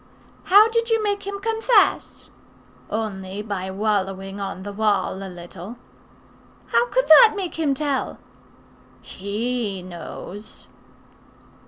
"How did you make him confess?" "Only by wallowing on the wall a little." "How could that make him tell?" "He knows."